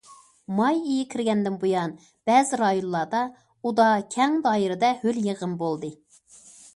ماي ئېيى كىرگەندىن بۇيان، بەزى رايونلاردا ئۇدا كەڭ دائىرىدە ھۆل يېغىن بولدى.